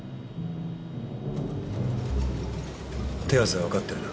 手はずは分かってるな。